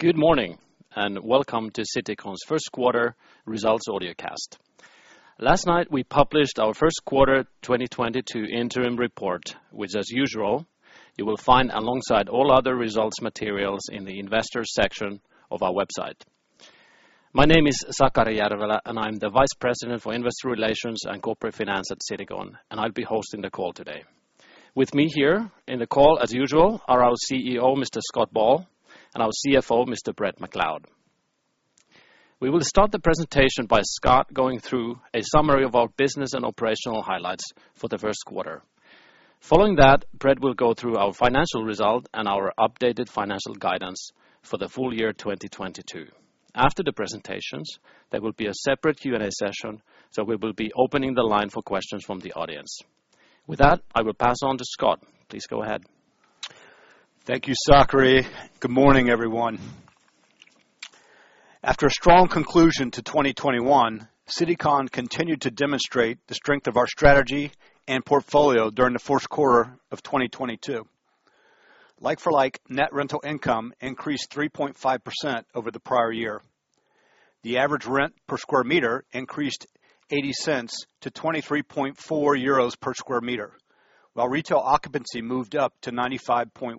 Good morning, and welcome to Citycon's first quarter results audiocast. Last night, we published our first quarter 2022 interim report, which as usual, you will find alongside all other results materials in the investor section of our website. My name is Sakari Järvelä, and I'm the Vice President for Investor Relations and Corporate Finance at Citycon, and I'll be hosting the call today. With me here in the call, as usual, are our CEO, Mr. Scott Ball, and our CFO, Mr. Bret McLeod. We will start the presentation by Scott going through a summary of our business and operational highlights for the first quarter. Following that, Brett will go through our financial result and our updated financial guidance for the full year 2022. After the presentations, there will be a separate Q&A session, so we will be opening the line for questions from the audience. With that, I will pass on to Scott. Please go ahead. Thank you, Sakari. Good morning, everyone. After a strong conclusion to 2021, Citycon continued to demonstrate the strength of our strategy and portfolio during the first quarter of 2022. Like-for-like net rental income increased 3.5% over the prior year. The average rent per square meter increased 0.80 EUR to 23.4 euros per square meter, while retail occupancy moved up to 95.1%.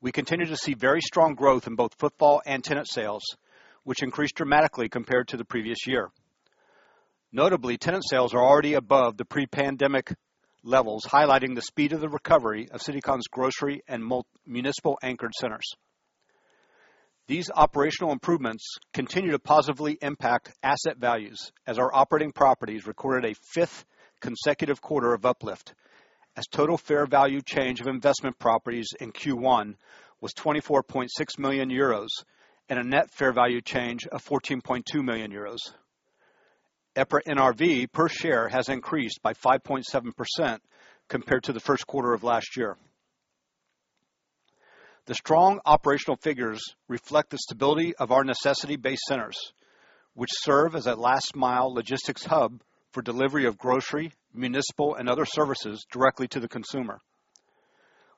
We continue to see very strong growth in both footfall and tenant sales, which increased dramatically compared to the previous year. Notably, tenant sales are already above the pre-pandemic levels, highlighting the speed of the recovery of Citycon's grocery and municipal anchored centers. These operational improvements continue to positively impact asset values as our operating properties recorded a fifth consecutive quarter of uplift as total fair value change of investment properties in Q1 was 24.6 million euros and a net fair value change of 14.2 million euros. EPRA NRV per share has increased by 5.7% compared to the first quarter of last year. The strong operational figures reflect the stability of our necessity-based centers, which serve as a last-mile logistics hub for delivery of grocery, municipal, and other services directly to the consumer.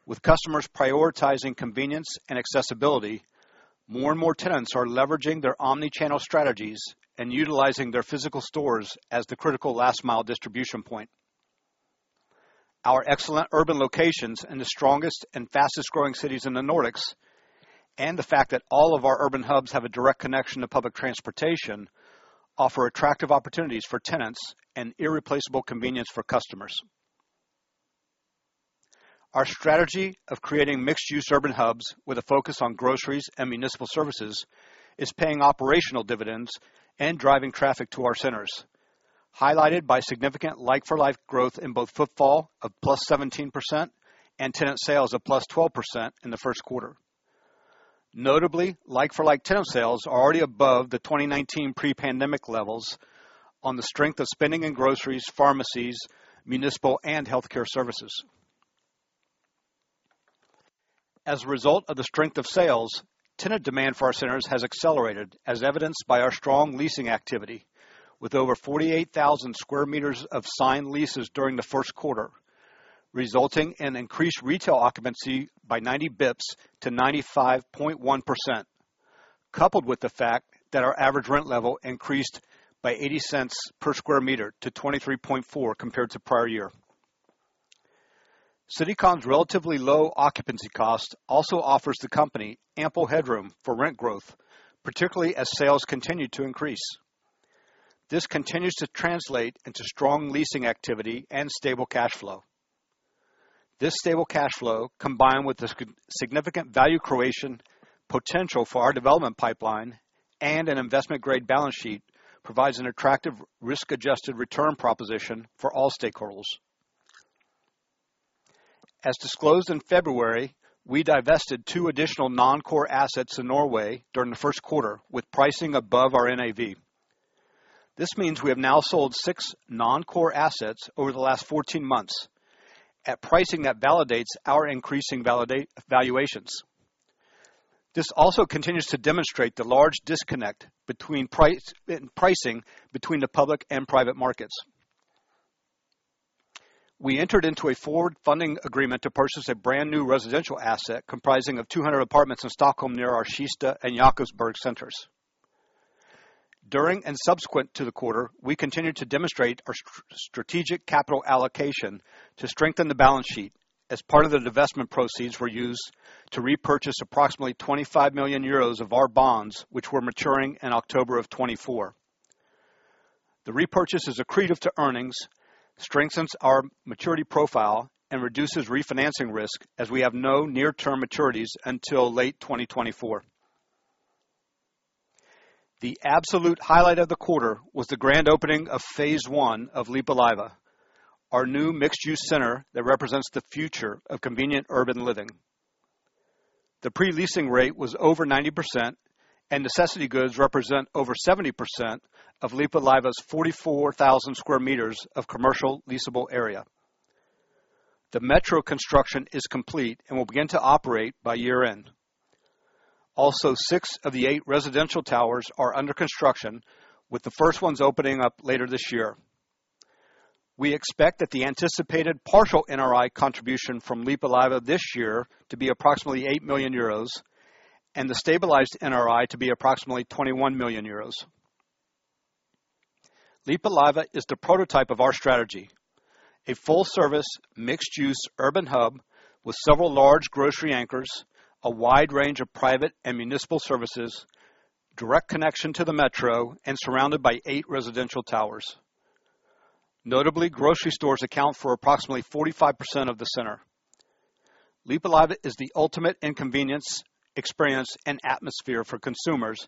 With customers prioritizing convenience and accessibility, more and more tenants are leveraging their omni-channel strategies and utilizing their physical stores as the critical last mile distribution point. Our excellent urban locations in the strongest and fastest-growing cities in the Nordics, and the fact that all of our urban hubs have a direct connection to public transportation, offer attractive opportunities for tenants and irreplaceable convenience for customers. Our strategy of creating mixed-use urban hubs with a focus on groceries and municipal services is paying operational dividends and driving traffic to our centers, highlighted by significant like-for-like growth in both footfall of +17% and tenant sales of +12% in the first quarter. Notably, like-for-like tenant sales are already above the 2019 pre-pandemic levels on the strength of spending in groceries, pharmacies, municipal, and healthcare services. As a result of the strength of sales, tenant demand for our centers has accelerated, as evidenced by our strong leasing activity with over 48,000 square meters of signed leases during the first quarter, resulting in increased retail occupancy by 90 basis points to 95.1%, coupled with the fact that our average rent level increased by €0.80 per square meter to €23.4 compared to prior year. Citycon's relatively low occupancy cost also offers the company ample headroom for rent growth, particularly as sales continue to increase. This continues to translate into strong leasing activity and stable cash flow. This stable cash flow, combined with the significant value creation potential for our development pipeline and an investment-grade balance sheet, provides an attractive risk-adjusted return proposition for all stakeholders. As disclosed in February, we divested 2 additional non-core assets in Norway during the first quarter with pricing above our NAV. This means we have now sold 6 non-core assets over the last 14 months at pricing that validates our increasing valuations. This also continues to demonstrate the large disconnect in pricing between the public and private markets. We entered into a forward funding agreement to purchase a brand-new residential asset comprising 200 apartments in Stockholm near our Kista and Jakobsberg centers. During and subsequent to the quarter, we continued to demonstrate our strategic capital allocation to strengthen the balance sheet as part of the divestment proceeds were used to repurchase approximately 25 million euros of our bonds, which were maturing in October 2024. The repurchase is accretive to earnings, strengthens our maturity profile, and reduces refinancing risk as we have no near-term maturities until late 2024. The absolute highlight of the quarter was the grand opening of phase one of Lippulaiva, our new mixed-use center that represents the future of convenient urban living. The pre-leasing rate was over 90%, and necessity goods represent over 70% of Lippulaiva's 44,000 square meters of commercial leasable area. The metro construction is complete and will begin to operate by year-end. Also, 6 of the 8 residential towers are under construction, with the first ones opening up later this year. We expect that the anticipated partial NRI contribution from Lippulaiva this year to be approximately 8 million euros, and the stabilized NRI to be approximately 21 million euros. Lippulaiva is the prototype of our strategy. A full-service, mixed-use urban hub with several large grocery anchors, a wide range of private and municipal services, direct connection to the metro, and surrounded by eight residential towers. Notably, grocery stores account for approximately 45% of the center. Lippulaiva is the ultimate in convenience, experience, and atmosphere for consumers,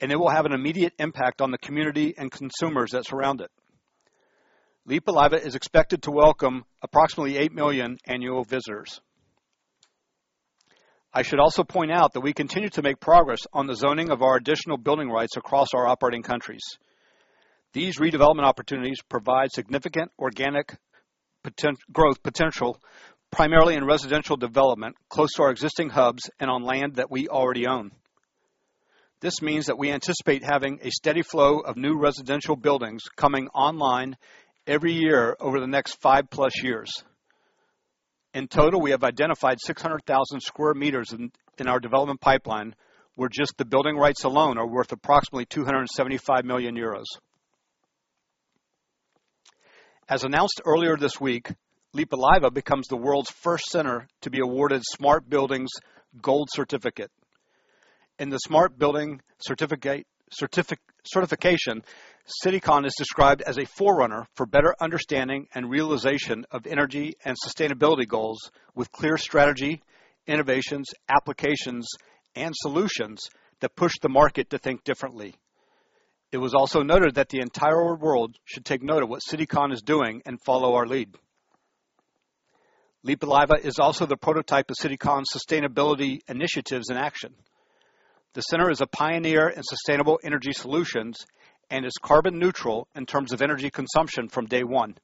and it will have an immediate impact on the community and consumers that surround it. Lippulaiva is expected to welcome approximately eight million annual visitors. I should also point out that we continue to make progress on the zoning of our additional building rights across our operating countries. These redevelopment opportunities provide significant organic growth potential, primarily in residential development close to our existing hubs and on land that we already own. This means that we anticipate having a steady flow of new residential buildings coming online every year over the next 5+ years. In total, we have identified 600,000 square meters in our development pipeline, where just the building rights alone are worth approximately 275 million euros. As announced earlier this week, Lippulaiva becomes the world's first center to be awarded Smart Building's Gold certificate. In the Smart Building Certification, Citycon is described as a forerunner for better understanding and realization of energy and sustainability goals with clear strategy, innovations, applications, and solutions that push the market to think differently. It was also noted that the entire world should take note of what Citycon is doing and follow our lead. Lippulaiva is also the prototype of Citycon's sustainability initiatives in action. The center is a pioneer in sustainable energy solutions and is carbon neutral in terms of energy consumption from day one.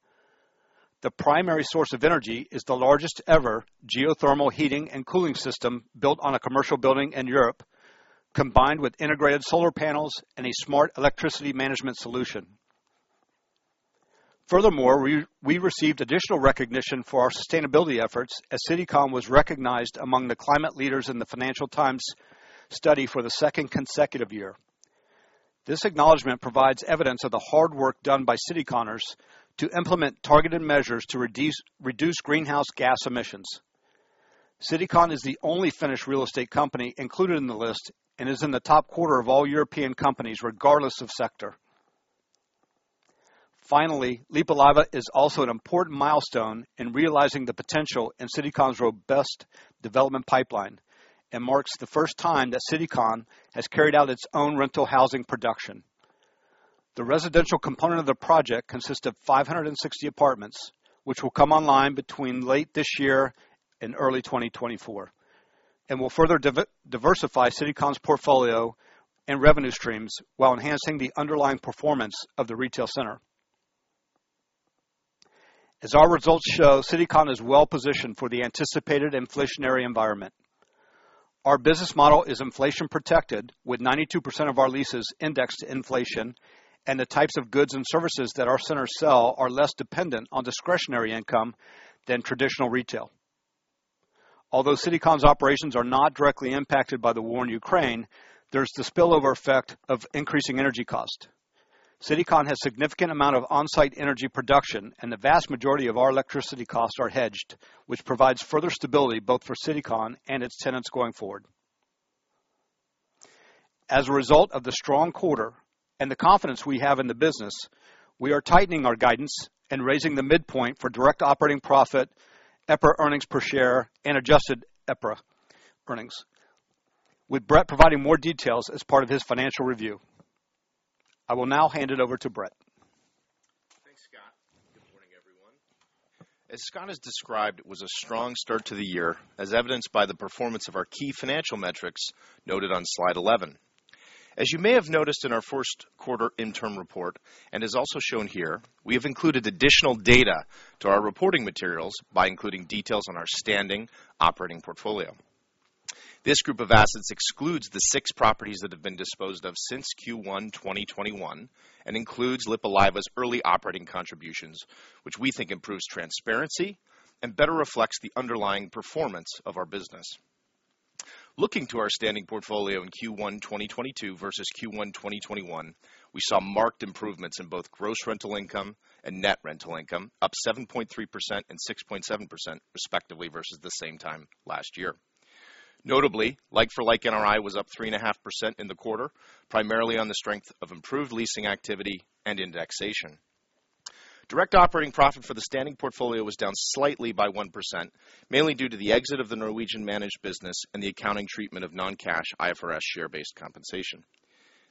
The primary source of energy is the largest ever geothermal heating and cooling system built on a commercial building in Europe, combined with integrated solar panels and a smart electricity management solution. We received additional recognition for our sustainability efforts as Citycon was recognized among the climate leaders in the Financial Times study for the second consecutive year. This acknowledgment provides evidence of the hard work done by Cityconners to implement targeted measures to reduce greenhouse gas emissions. Citycon is the only Finnish real estate company included in the list and is in the top quarter of all European companies, regardless of sector. Finally, Lippulaiva is also an important milestone in realizing the potential in Citycon's robust development pipeline and marks the first time that Citycon has carried out its own rental housing production. The residential component of the project consists of 560 apartments, which will come online between late this year and early 2024, and will further diversify Citycon's portfolio and revenue streams while enhancing the underlying performance of the retail center. As our results show, Citycon is well-positioned for the anticipated inflationary environment. Our business model is inflation protected, with 92% of our leases indexed to inflation, and the types of goods and services that our centers sell are less dependent on discretionary income than traditional retail. Although Citycon's operations are not directly impacted by the war in Ukraine, there's the spillover effect of increasing energy costs. Citycon has significant amount of on-site energy production, and the vast majority of our electricity costs are hedged, which provides further stability both for Citycon and its tenants going forward. As a result of the strong quarter and the confidence we have in the business, we are tightening our guidance and raising the midpoint for Direct Operating Profit, EPRA Earnings Per Share, and adjusted EPRA earnings. With Bret providing more details as part of his financial review. I will now hand it over to Bret. Thanks, Scott. Good morning, everyone. As Scott has described, it was a strong start to the year, as evidenced by the performance of our key financial metrics noted on slide eleven. As you may have noticed in our first quarter interim report, and is also shown here, we have included additional data to our reporting materials by including details on our standing operating portfolio. This group of assets excludes the six properties that have been disposed of since Q1 2021 and includes Lippulaiva's early operating contributions, which we think improves transparency and better reflects the underlying performance of our business. Looking to our standing portfolio in Q1 2022 versus Q1 2021, we saw marked improvements in both gross rental income and net rental income, up 7.3% and 6.7% respectively versus the same time last year. Notably, like-for-like NRI was up 3.5% in the quarter, primarily on the strength of improved leasing activity and indexation. Direct Operating Profit for the standing portfolio was down slightly by 1%, mainly due to the exit of the Norwegian managed business and the accounting treatment of non-cash IFRS share-based compensation.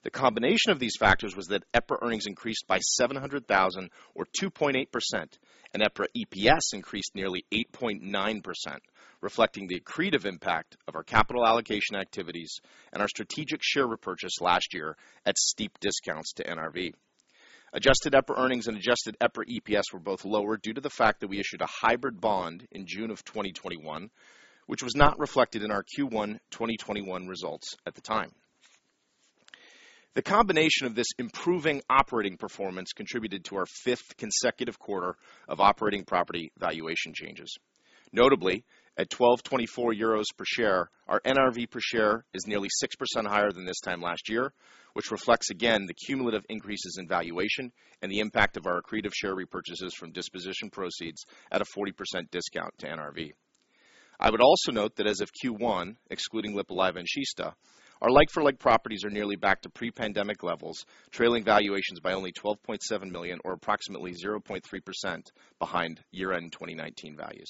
The combination of these factors was that EPRA earnings increased by 700,000 or 2.8%, and EPRA EPS increased nearly 8.9%, reflecting the accretive impact of our capital allocation activities and our strategic share repurchase last year at steep discounts to NRV. Adjusted EPRA earnings and adjusted EPRA EPS were both lower due to the fact that we issued a hybrid bond in June of 2021, which was not reflected in our Q1 2021 results at the time. The combination of this improving operating performance contributed to our fifth consecutive quarter of operating property valuation changes. Notably at 12.24 euros per share, our NRV per share is nearly 6% higher than this time last year, which reflects again the cumulative increases in valuation and the impact of our accretive share repurchases from disposition proceeds at a 40% discount to NRV. I would also note that as of Q1, excluding Lippulaiva and Kista, our like-for-like properties are nearly back to pre-pandemic levels, trailing valuations by only 12.7 million or approximately 0.3% behind year-end 2019 values.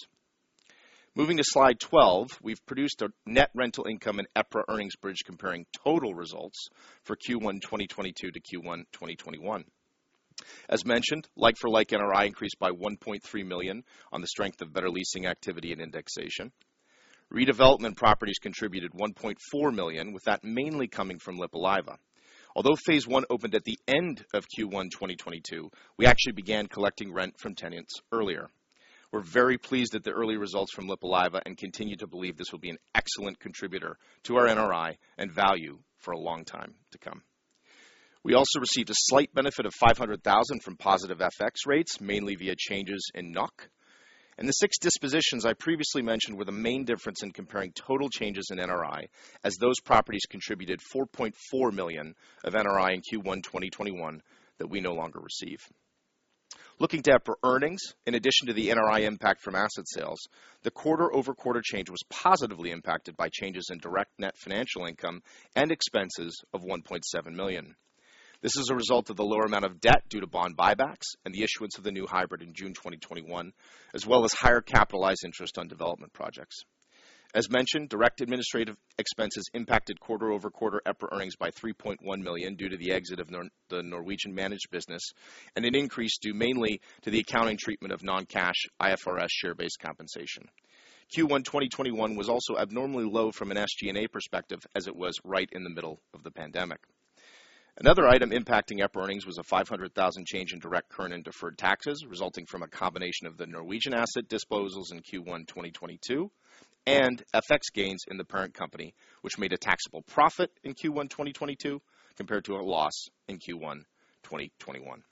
Moving to slide twelve, we've produced a net rental income and EPRA earnings bridge comparing total results for Q1 2022 to Q1 2021. As mentioned, like-for-like NRI increased by 1.3 million on the strength of better leasing activity and indexation. Redevelopment properties contributed 1.4 million, with that mainly coming from Lippulaiva. Although phase one opened at the end of Q1 2022, we actually began collecting rent from tenants earlier. We're very pleased at the early results from Lippulaiva and continue to believe this will be an excellent contributor to our NRI and value for a long time to come. We also received a slight benefit of 0.5 million from positive FX rates, mainly via changes in NOK. The six dispositions I previously mentioned were the main difference in comparing total changes in NRI as those properties contributed 4.4 million of NRI in Q1 2021 that we no longer receive. Looking to EPRA earnings. In addition to the NRI impact from asset sales, the quarter-over-quarter change was positively impacted by changes in direct net financial income and expenses of EUR 1.7 million. This is a result of the lower amount of debt due to bond buybacks and the issuance of the new hybrid in June 2021, as well as higher capitalized interest on development projects. As mentioned, direct administrative expenses impacted quarter-over-quarter EPRA earnings by 3.1 million due to the exit of the Norwegian managed business, and an increase due mainly to the accounting treatment of non-cash IFRS share-based compensation. Q1 2021 was also abnormally low from an SG&A perspective as it was right in the middle of the pandemic. Another item impacting EPRA earnings was a 500,000 change in current and deferred taxes, resulting from a combination of the Norwegian asset disposals in Q1 2022 and FX gains in the parent company, which made a taxable profit in Q1 2022 compared to a loss in Q1 2021.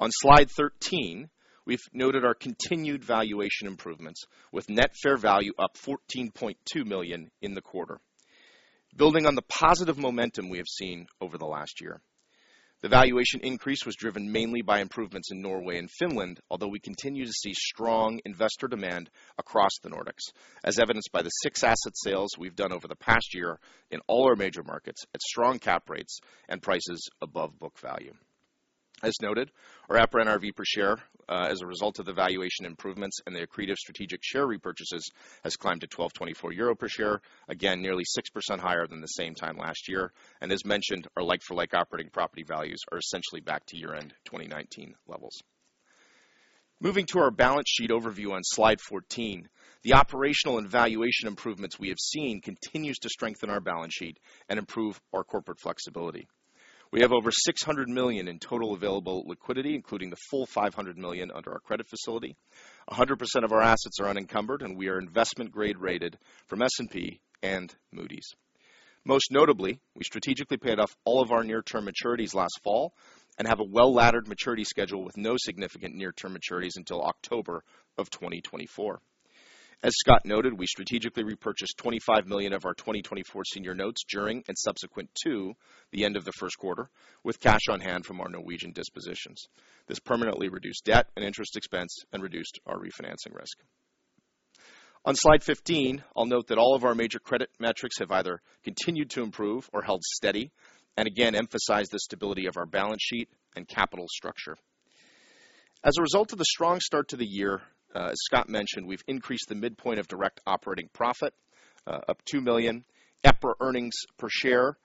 On slide 13, we've noted our continued valuation improvements with net fair value up 14.2 million in the quarter. Building on the positive momentum we have seen over the last year. The valuation increase was driven mainly by improvements in Norway and Finland, although we continue to see strong investor demand across the Nordics, as evidenced by the six asset sales we've done over the past year in all our major markets at strong cap rates and prices above book value. As noted, our EPRA NRV per share, as a result of the valuation improvements and the accretive strategic share repurchases, has climbed to 12.24 euro per share. Again, nearly 6% higher than the same time last year. As mentioned, our like-for-like operating property values are essentially back to year-end 2019 levels. Moving to our balance sheet overview on slide fourteen. The operational and valuation improvements we have seen continues to strengthen our balance sheet and improve our corporate flexibility. We have over 600 million in total available liquidity, including the full 500 million under our credit facility. 100% of our assets are unencumbered, and we are investment grade rated from S&P and Moody's. Most notably, we strategically paid off all of our near-term maturities last fall and have a well-laddered maturity schedule with no significant near-term maturities until October 2024. As Scott noted, we strategically repurchased 25 million of our 2024 senior notes during and subsequent to the end of the first quarter with cash on hand from our Norwegian dispositions. This permanently reduced debt and interest expense and reduced our refinancing risk. On slide fifteen, I'll note that all of our major credit metrics have either continued to improve or held steady, and again emphasized the stability of our balance sheet and capital structure. As a result of the strong start to the year, as Scott mentioned, we've increased the midpoint of Direct Operating Profit up 2 million, EPRA earnings per share,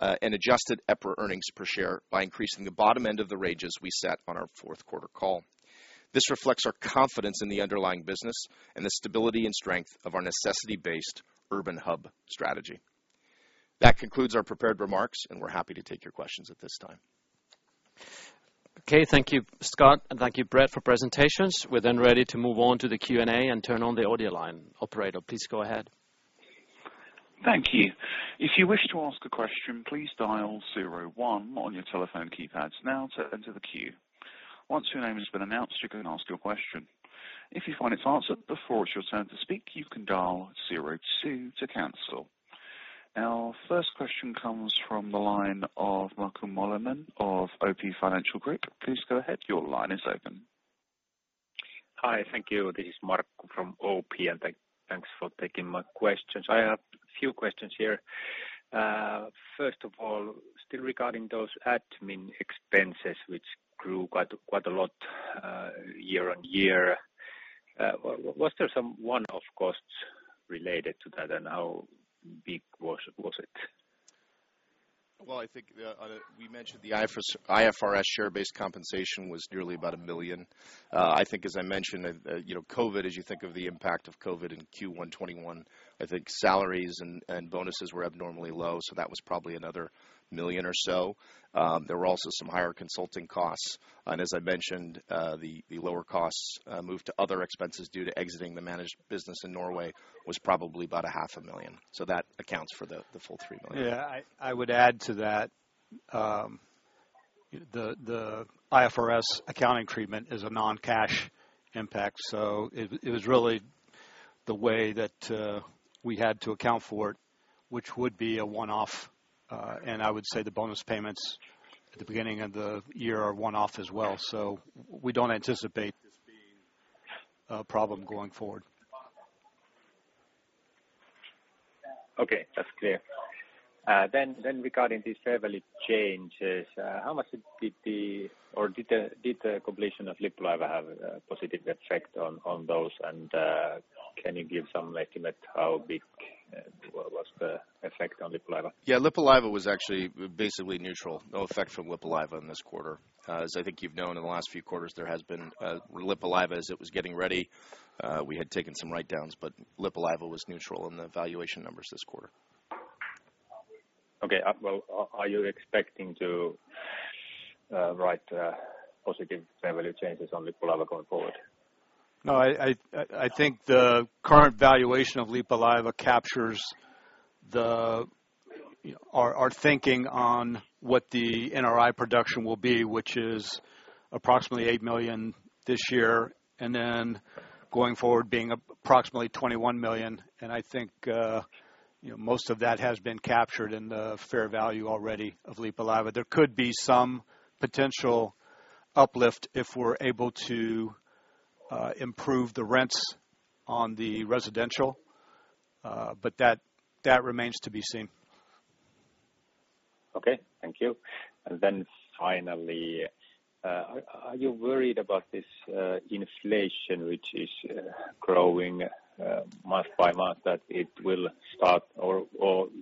and adjusted EPRA earnings per share by increasing the bottom end of the ranges we set on our fourth quarter call. This reflects our confidence in the underlying business and the stability and strength of our necessity-based urban hub strategy. That concludes our prepared remarks, and we're happy to take your questions at this time. Okay. Thank you, Scott. Thank you, Bret, for presentations. We're then ready to move on to the Q&A and turn on the audio line. Operator, please go ahead. Thank you. If you wish to ask a question, please dial zero one on your telephone keypads now to enter the queue. Once your name has been announced, you can ask your question. If you find it's answered before it's your turn to speak, you can dial zero two to cancel. Our first question comes from the line of Markku Moilanen of OP Financial Group. Please go ahead. Your line is open. Hi. Thank you. This is Markku from OP, and thanks for taking my questions. I have a few questions here. First of all, still regarding those admin expenses, which grew quite a lot year-on-year. Was there some one-off costs related to that and how big was it? Well, I think we mentioned the IFRS share-based compensation was nearly about 1 million. I think as I mentioned, you know, COVID, as you think of the impact of COVID in Q1 2021, I think salaries and bonuses were abnormally low, so that was probably another 1 million or so. There were also some higher consulting costs. As I mentioned, the lower costs moved to other expenses due to exiting the managed business in Norway was probably about half a million. That accounts for the full 3 million. Yeah. I would add to that, the IFRS accounting treatment is a non-cash impact, so it was really the way that we had to account for it, which would be a one-off. I would say the bonus payments at the beginning of the year are one-off as well. We don't anticipate this being a problem going forward. Okay. That's clear. Regarding these fair value changes, did the completion of Lippulaiva have a positive effect on those? Can you give some estimate how big was the effect on Lippulaiva? Yeah. Lippulaiva was actually basically neutral. No effect from Lippulaiva in this quarter. As I think you've known in the last few quarters, there has been Lippulaiva, as it was getting ready, we had taken some write-downs, but Lippulaiva was neutral in the valuation numbers this quarter. Okay. Well, are you expecting to write positive fair value changes on Lippulaiva going forward? No, I think the current valuation of Lippulaiva captures our thinking on what the NRI production will be, which is approximately 8 million this year, and then going forward, being approximately 21 million. I think, you know, most of that has been captured in the fair value already of Lippulaiva. There could be some potential uplift if we're able to improve the rents on the residential, but that remains to be seen. Okay. Thank you. Finally, are you worried about this inflation, which is growing month by month, that it will start or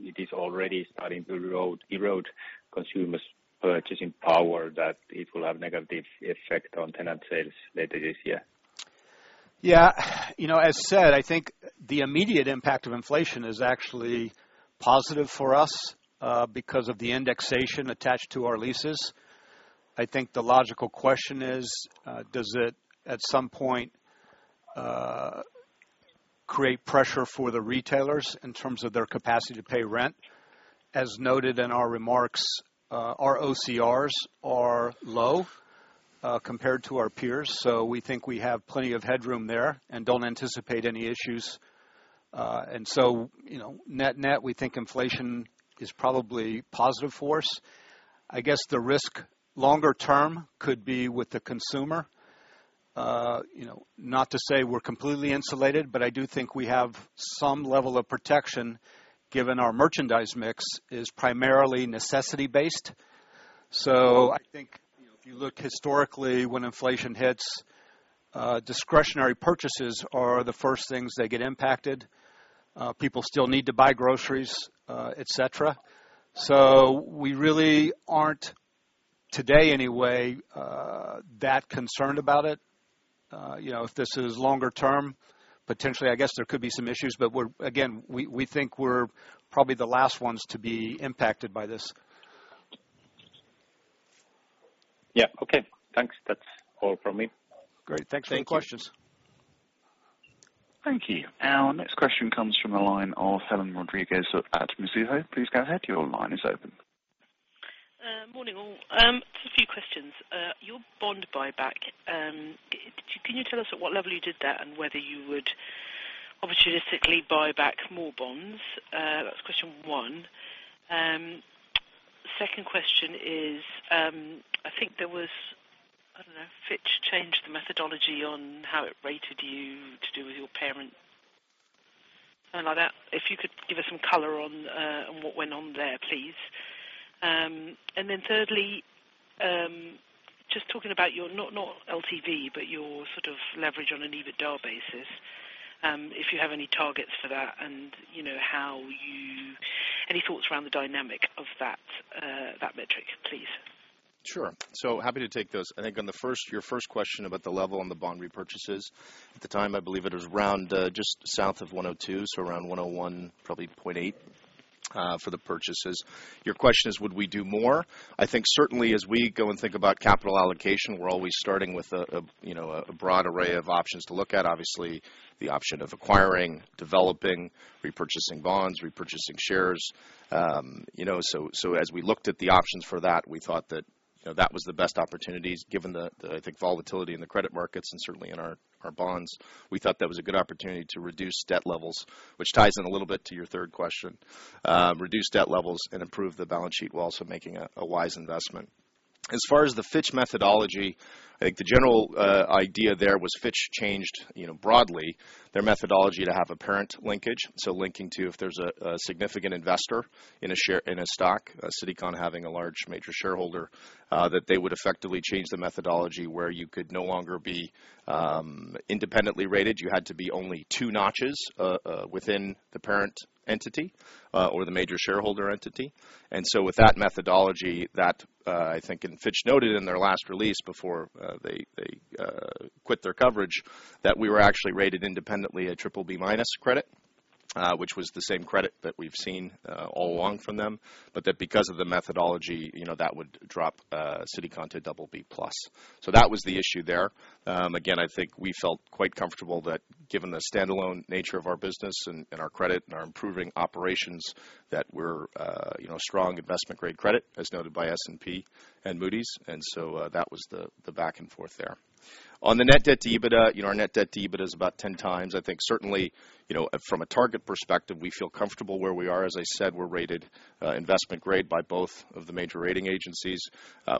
it is already starting to erode consumers' purchasing power, that it will have negative effect on tenant sales later this year? Yeah. You know, as said, I think the immediate impact of inflation is actually positive for us, because of the indexation attached to our leases. I think the logical question is, does it, at some point, create pressure for the retailers in terms of their capacity to pay rent? As noted in our remarks, our OCRs are low, compared to our peers. We think we have plenty of headroom there and don't anticipate any issues. You know, net-net, we think inflation is probably positive for us. I guess the risk longer term could be with the consumer. You know, not to say we're completely insulated, but I do think we have some level of protection given our merchandise mix is primarily necessity based. I think, you know, if you look historically when inflation hits, discretionary purchases are the first things that get impacted. People still need to buy groceries, et cetera. We really aren't, today anyway, that concerned about it. You know, if this is longer term, potentially I guess there could be some issues, but again, we think we're probably the last ones to be impacted by this. Yeah. Okay. Thanks. That's all from me. Great. Thanks for the questions. Thank you. Thank you. Our next question comes from the line of Helen Rodriguez at Mizuho. Please go ahead. Your line is open. Morning, all. Just a few questions. Your bond buyback, can you tell us at what level you did that and whether you would opportunistically buy back more bonds? That's question one. Second question is, I think there was, I don't know, Fitch changed the methodology on how it rated you to do with your parent like that. If you could give us some color on what went on there, please. Thirdly, just talking about your, not LTV, but your sort of leverage on an EBITDA basis, if you have any targets for that and, you know, any thoughts around the dynamic of that metric, please? Sure. Happy to take those. I think on the first, your first question about the level on the bond repurchases. At the time, I believe it was around just south of 102, so around 101, probably .8 for the purchases. Your question is, would we do more? I think certainly as we go and think about capital allocation, we're always starting with a you know, a broad array of options to look at. Obviously, the option of acquiring, developing, repurchasing bonds, repurchasing shares. You know, so as we looked at the options for that, we thought that you know, that was the best opportunities given the I think, volatility in the credit markets and certainly in our bonds. We thought that was a good opportunity to reduce debt levels, which ties in a little bit to your third question. Reduce debt levels and improve the balance sheet while also making a wise investment. As far as the Fitch methodology, I think the general idea there was Fitch changed broadly their methodology to have a parent linkage. Linking to if there's a significant investor in a stock, Citycon having a large major shareholder, that they would effectively change the methodology where you could no longer be independently rated. You had to be only two notches within the parent entity or the major shareholder entity. With that methodology, I think, and Fitch noted in their last release before they quit their coverage, that we were actually rated independently a BBB- credit, which was the same credit that we've seen all along from them, but that because of the methodology, you know, that would drop Citycon to BB+. That was the issue there. Again, I think we felt quite comfortable that given the standalone nature of our business and our credit and our improving operations, that we're, you know, strong investment grade credit, as noted by S&P and Moody's. That was the back and forth there. On the net debt to EBITDA, you know, our net debt to EBITDA is about ten times. I think certainly, you know, from a target perspective, we feel comfortable where we are. As I said, we're rated investment grade by both of the major rating agencies.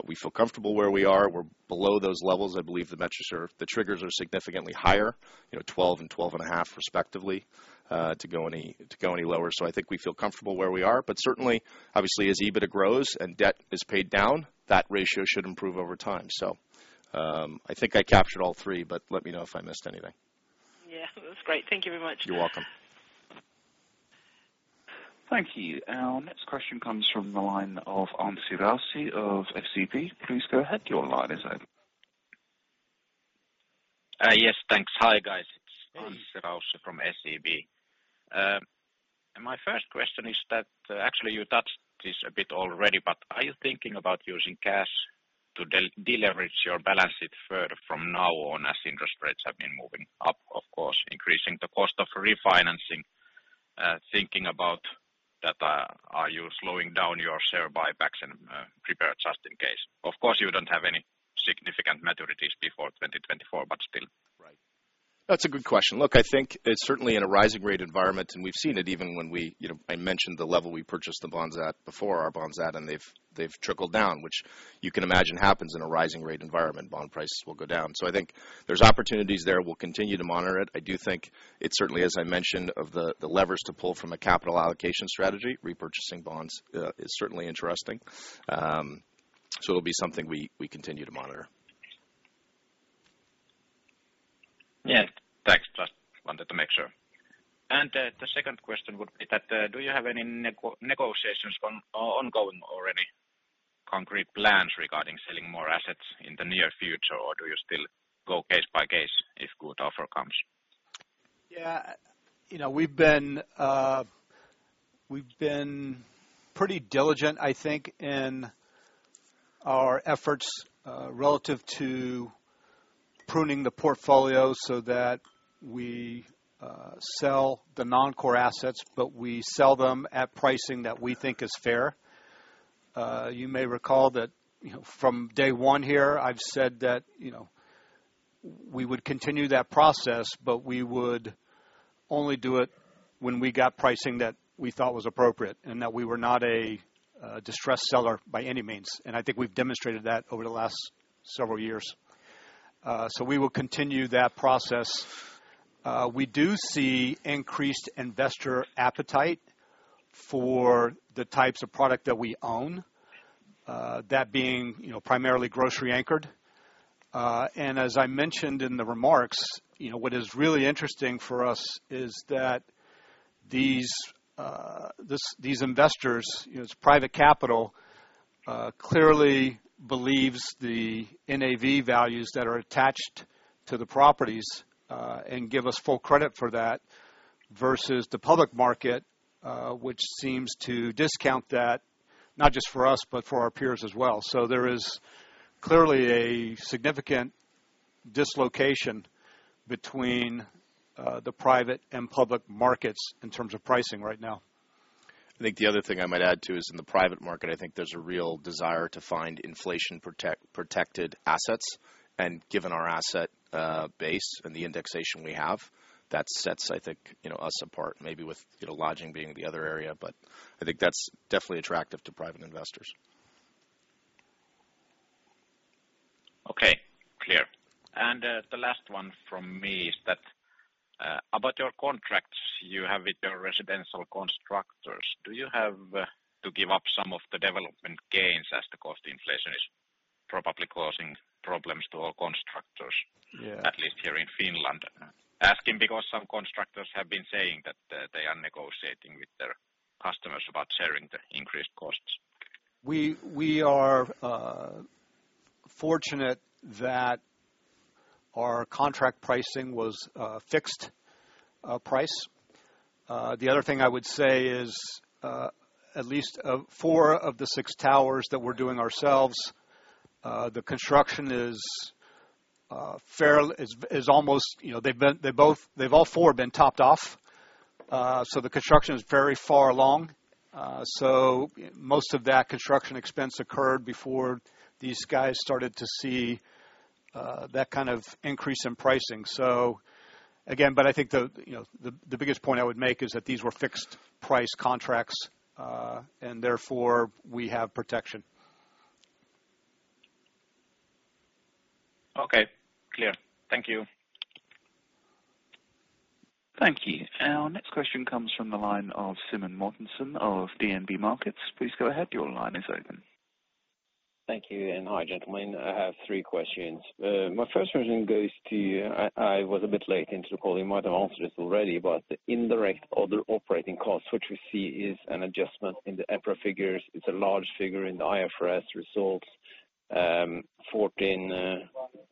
We feel comfortable where we are. We're below those levels. I believe the triggers are significantly higher, you know, 12% and 12.5% respectively, to go any lower. I think we feel comfortable where we are. Certainly, obviously, as EBITDA grows and debt is paid down, that ratio should improve over time. I think I captured all three, but let me know if I missed anything. Yeah, that's great. Thank you very much. You're welcome. Thank you. Our next question comes from the line of Anssi Raussi of SEB. Please go ahead, your line is open. Yes, thanks. Hi, guys. It's Anssi Raussi from SEB. My first question is that, actually, you touched this a bit already, but are you thinking about using cash to deleverage your balance sheet further from now on as interest rates have been moving up, of course, increasing the cost of refinancing, thinking about that, are you slowing down your share buybacks and, prepare just in case? Of course, you don't have any significant maturities before 2024, but still. Right. That's a good question. Look, I think it's certainly in a rising rate environment, and we've seen it. You know, I mentioned the level we purchased the bonds at before our bonds at, and they've trickled down, which you can imagine happens in a rising rate environment. Bond prices will go down. I think there's opportunities there. We'll continue to monitor it. I do think it certainly, as I mentioned, of the levers to pull from a capital allocation strategy, repurchasing bonds is certainly interesting. It'll be something we continue to monitor. Yeah. Thanks. Just wanted to make sure. The second question would be that, do you have any negotiations ongoing already, concrete plans regarding selling more assets in the near future, or do you still go case by case if good offer comes? Yeah. You know, we've been pretty diligent, I think, in our efforts relative to pruning the portfolio so that we sell the non-core assets, but we sell them at pricing that we think is fair. You may recall that, you know, from day one here, I've said that, you know, we would continue that process, but we would only do it when we got pricing that we thought was appropriate and that we were not a distressed seller by any means. I think we've demonstrated that over the last several years. We will continue that process. We do see increased investor appetite for the types of product that we own, that being, you know, primarily grocery anchored. As I mentioned in the remarks, you know, what is really interesting for us is that these investors, you know, it's private capital, clearly believes the NAV values that are attached to the properties, and give us full credit for that versus the public market, which seems to discount that not just for us, but for our peers as well. There is clearly a significant dislocation between the private and public markets in terms of pricing right now. I think the other thing I might add, too, is in the private market, I think there's a real desire to find inflation protected assets. Given our asset base and the indexation we have, that sets, I think, you know, us apart, maybe with, you know, lodging being the other area. I think that's definitely attractive to private investors. Okay, clear. The last one from me is that about your contracts you have with your residential contractors, do you have to give up some of the development gains as the cost inflation is probably causing problems to all contractors? Yeah. At least here in Finland. Asking because some constructors have been saying that they are negotiating with their customers about sharing the increased costs. We are fortunate that our contract pricing was a fixed price. The other thing I would say is at least four of the six towers that we're doing ourselves, the construction is almost. You know, they've all four been topped off. The construction is very far along. Most of that construction expense occurred before these guys started to see that kind of increase in pricing. Again, but I think you know, the biggest point I would make is that these were fixed price contracts, and therefore we have protection. Okay, clear. Thank you. Thank you. Our next question comes from the line of Simen Mortensen of DNB Markets. Please go ahead. Your line is open. Thank you, and hi, gentlemen. I have three questions. My first question goes to you. I was a bit late into calling. You might have answered this already, but the indirect other operating costs, which we see is an adjustment in the EPRA figures. It's a large figure in the IFRS results. 14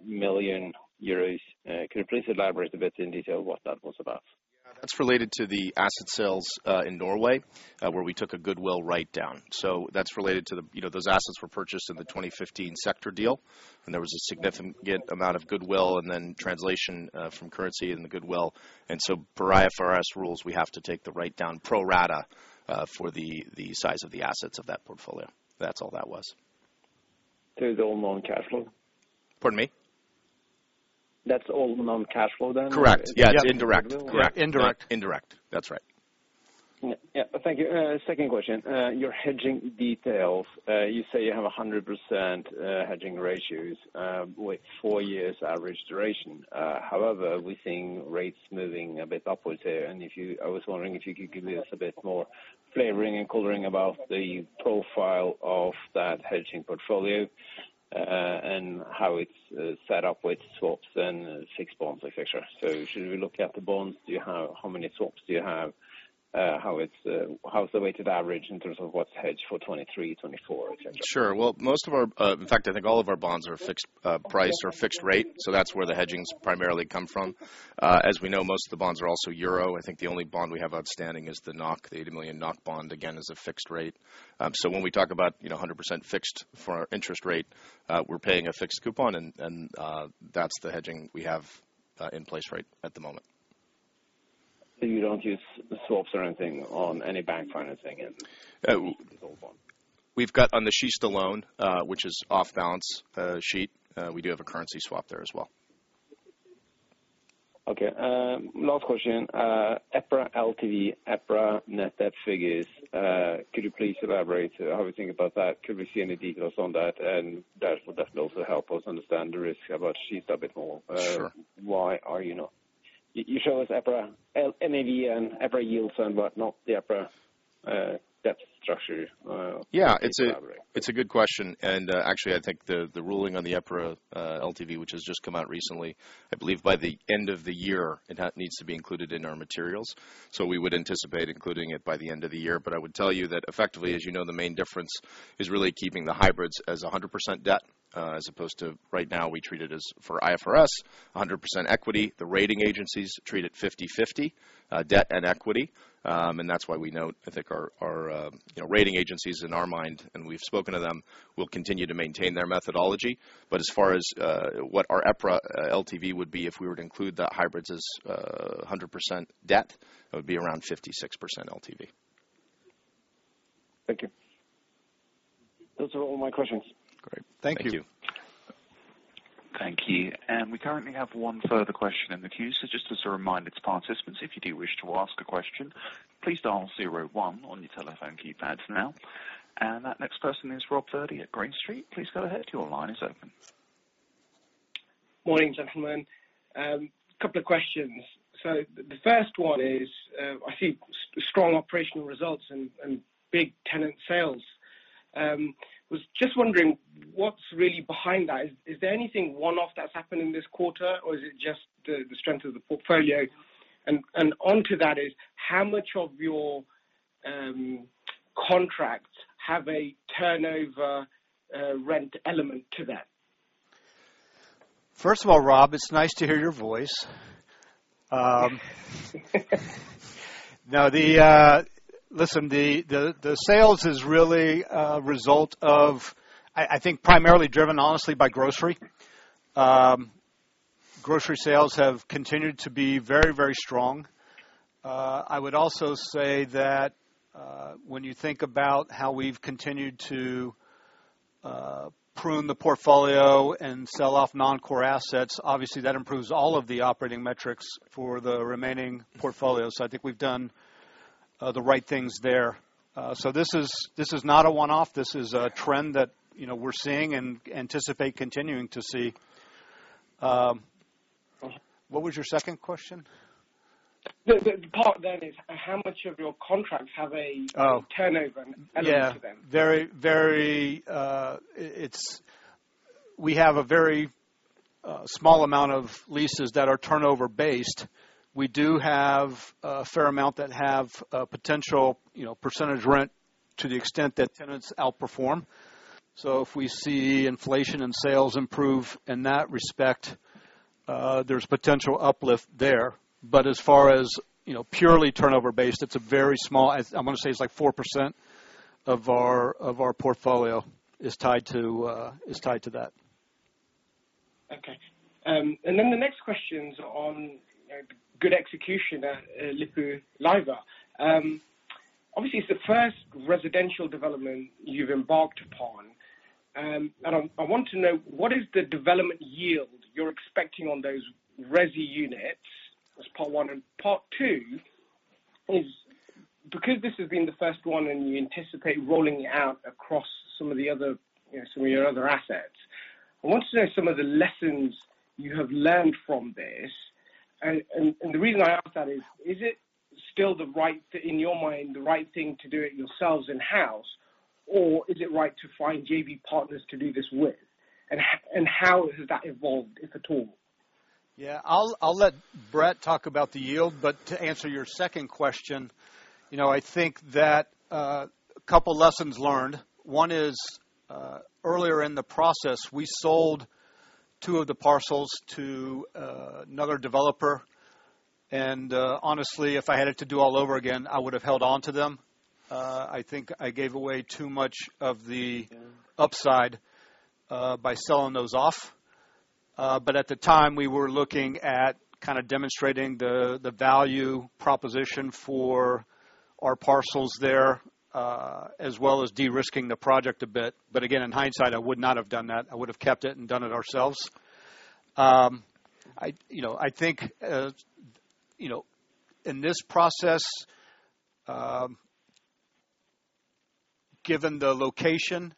million euros. Could you please elaborate a bit in detail what that was about? Yeah. That's related to the asset sales in Norway, where we took a goodwill writedown. That's related to the You know, those assets were purchased in the 2015 sector deal, and there was a significant amount of goodwill and then translation from currency in the goodwill. Per IFRS rules, we have to take the writedown pro rata for the size of the assets of that portfolio. That's all that was. It's all non-cash flow? Pardon me? That's all non-cash flow then? Correct. Yeah, it's indirect. Okay. Correct. Indirect. That's right. Yeah. Yeah. Thank you. Second question. Your hedging details. You say you have 100% hedging ratios with four years average duration. However, we're seeing rates moving a bit upwards here. I was wondering if you could give us a bit more flavoring and coloring about the profile of that hedging portfolio, and how it's set up with swaps and fixed bonds, et cetera. So should we look at the bonds? Do you have how many swaps do you have? How is the weighted average in terms of what's hedged for 2023, 2024, et cetera? Sure. Well, in fact, I think all of our bonds are fixed price or fixed rate, so that's where the hedgings primarily come from. As we know, most of the bonds are also euro. I think the only bond we have outstanding is the NOK. The 80 million NOK bond, again, is a fixed rate. When we talk about, you know, 100% fixed for our interest rate, we're paying a fixed coupon and that's the hedging we have in place right at the moment. You don't use swaps or anything on any bank financing in this bond? On the Kista loan, which is off-balance sheet, we do have a currency swap there as well. Okay. Last question. EPRA LTV, EPRA net debt figures. Could you please elaborate how we think about that? Could we see any details on that? That'll definitely also help us understand the risk about Kista a bit more. Sure. You show us EPRA L-NAV and EPRA yields but not the EPRA debt structure. Could you elaborate? Yeah. It's a good question. Actually I think the ruling on the EPRA LTV, which has just come out recently, I believe by the end of the year it needs to be included in our materials. We would anticipate including it by the end of the year. I would tell you that effectively, as you know, the main difference is really keeping the hybrids as 100% debt, as opposed to right now we treat it as, for IFRS, 100% equity. The rating agencies treat it 50/50, debt and equity. That's why we know I think our rating agency is in our mind, and we've spoken to them, will continue to maintain their methodology. As far as what our EPRA LTV would be if we were to include that hybrid as 100% debt, it would be around 56% LTV. Thank you. Those are all my questions. Great. Thank you. Thank you. Thank you. We currently have one further question in the queue. Just as a reminder to participants, if you do wish to ask a question, please dial zero one on your telephone keypads now. That next person is Robert Phillips at Green Street. Please go ahead. Your line is open. Morning, gentlemen. Couple of questions. The first one is, I see strong operational results and big tenant sales. Was just wondering what's really behind that. Is there anything one-off that's happened in this quarter, or is it just the strength of the portfolio? Onto that is how much of your contracts have a turnover rent element to them? First of all, Rob, it's nice to hear your voice. Listen, the sales is really a result of, I think primarily driven honestly by grocery. Grocery sales have continued to be very, very strong. I would also say that, when you think about how we've continued to prune the portfolio and sell off non-core assets, obviously that improves all of the operating metrics for the remaining portfolio. I think we've done the right things there. This is not a one-off. This is a trend that, you know, we're seeing and anticipate continuing to see. What was your second question? The part then is how much of your contracts have a Oh. Turnover element to them? We have a very small amount of leases that are turnover based. We do have a fair amount that have potential, you know, percentage rent to the extent that tenants outperform. If we see inflation and sales improve in that respect, there's potential uplift there. But as far as, you know, purely turnover based, it's a very small. I wanna say it's like 4% of our portfolio is tied to that. Okay. Then the next question's on, you know, good execution at Lippulaiva. Obviously it's the first residential development you've embarked upon. I want to know what is the development yield you're expecting on those resi units? That's part one. Part two is because this has been the first one and you anticipate rolling it out across some of the other, you know, some of your other assets, I wanted to know some of the lessons you have learned from this. The reason I ask that is it still the right, in your mind, the right thing to do it yourselves in-house, or is it right to find JV partners to do this with? How has that evolved, if at all? Yeah. I'll let Bret talk about the yield, but to answer your second question, you know, I think that a couple lessons learned. One is earlier in the process, we sold two of the parcels to another developer. Honestly, if I had it to do all over again, I would have held onto them. I think I gave away too much of the- Yeah. Upside by selling those off. At the time, we were looking at kind of demonstrating the value proposition for our parcels there, as well as de-risking the project a bit. Again, in hindsight, I would not have done that. I would have kept it and done it ourselves. I'd, you know, I think, you know, in this process, given the location,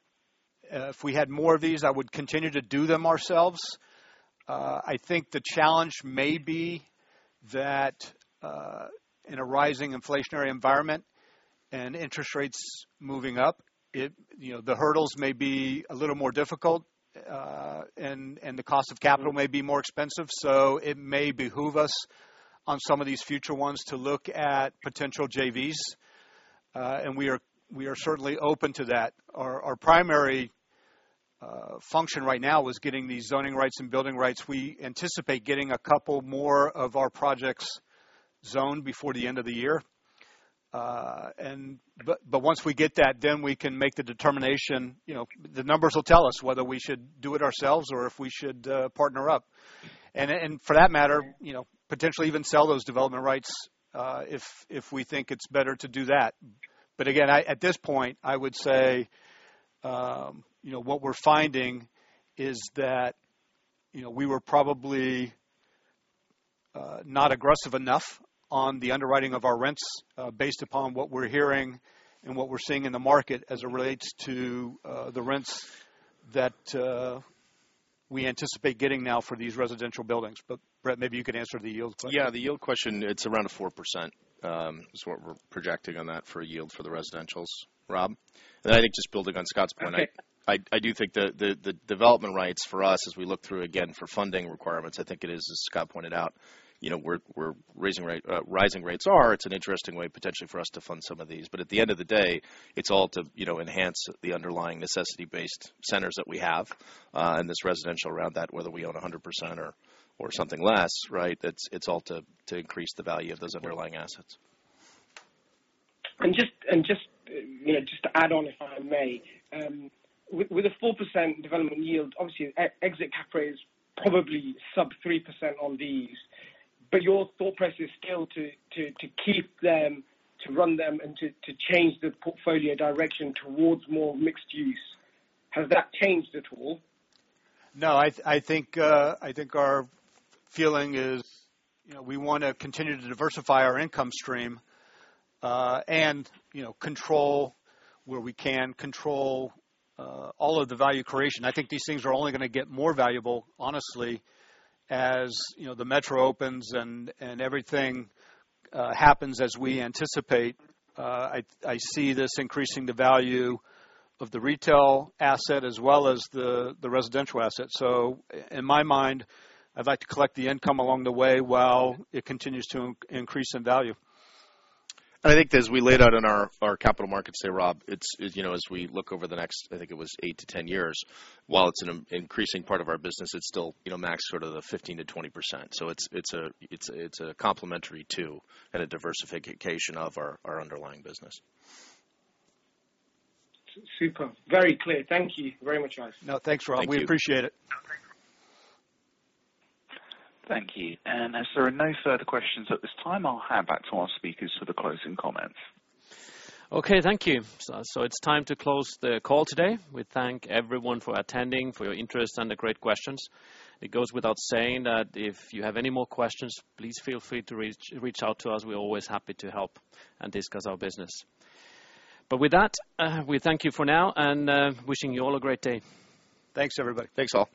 if we had more of these I would continue to do them ourselves. I think the challenge may be that, in a rising inflationary environment and interest rates moving up, it, you know, the hurdles may be a little more difficult, and the cost of capital may be more expensive. It may behoove us on some of these future ones to look at potential JVs. We are certainly open to that. Our primary function right now is getting these zoning rights and building rights. We anticipate getting a couple more of our projects zoned before the end of the year. Once we get that, then we can make the determination. You know, the numbers will tell us whether we should do it ourselves or if we should partner up. For that matter, you know, potentially even sell those development rights if we think it's better to do that. Again, at this point, I would say, you know, what we're finding is that, you know, we were probably not aggressive enough on the underwriting of our rents based upon what we're hearing and what we're seeing in the market as it relates to the rents that we anticipate getting now for these residential buildings. Bret, maybe you can answer the yield question. Yeah. The yield question, it's around 4%, is what we're projecting on that for yield for the residentials, Rob. I think just building on Scott's point. I do think the development rights for us as we look through again for funding requirements. I think it is, as Scott pointed out, you know, rising rates, it's an interesting way potentially for us to fund some of these. At the end of the day, it's all to, you know, enhance the underlying necessity-based centers that we have, and this residential around that, whether we own 100% or something less, right? It's all to increase the value of those underlying assets. Just to add on, if I may, with a 4% development yield, obviously exit cap rate is probably sub-3% on these. But your thought process still to keep them, to run them, and to change the portfolio direction towards more mixed-use, has that changed at all? No, I think our feeling is, you know, we wanna continue to diversify our income stream, and, you know, control where we can control all of the value creation. I think these things are only gonna get more valuable, honestly, as, you know, the metro opens and everything happens as we anticipate. I see this increasing the value of the retail asset as well as the residential asset. In my mind, I'd like to collect the income along the way while it continues to increase in value. I think as we laid out in our capital markets day, Rob, it's, you know, as we look over the next, I think it was 8-10 years, while it's an increasing part of our business, it's still, you know, max sort of the 15%-20%. It's a complementary to and a diversification of our underlying business. Super. Very clear. Thank you very much, guys. No, thanks, Rob. Thank you. We appreciate it. No problem. Thank you. As there are no further questions at this time, I'll hand back to our speakers for the closing comments. Okay, thank you. It's time to close the call today. We thank everyone for attending, for your interest and the great questions. It goes without saying that if you have any more questions, please feel free to reach out to us. We're always happy to help and discuss our business. With that, we thank you for now, and wishing you all a great day. Thanks, everybody. Thanks, all.